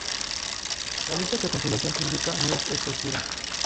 La lista que a continuación se indica no es exhaustiva.